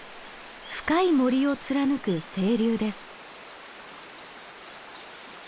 深い森を貫く清流です。